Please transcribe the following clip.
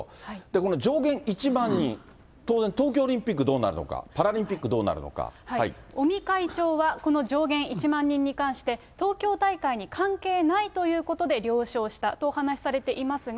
この上限１万人、当然、東京オリンピックどうなるのか、尾身会長は、この上限１万人に関して、東京大会に関係ないということで了承したとお話しされていますが、